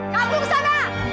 kabur ke sana